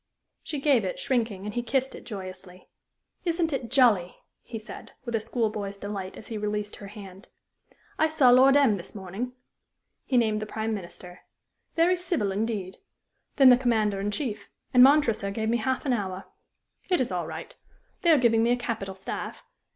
She gave it, shrinking, and he kissed it joyously. "Isn't it jolly!" he said, with a school boy's delight as he released her hand. "I saw Lord M this morning." He named the Prime Minister. "Very civil, indeed. Then the Commander in Chief and Montresor gave me half an hour. It is all right. They are giving me a capital staff.